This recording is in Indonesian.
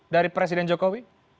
dari presiden jokowi